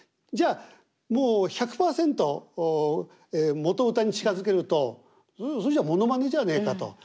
じゃあもう１００パーセント元歌に近づけると「それじゃものまねじゃねえか」と。